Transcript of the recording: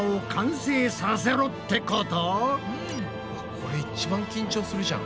これ一番緊張するじゃん。